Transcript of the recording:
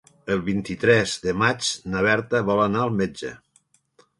El vint-i-tres de maig na Berta vol anar al metge.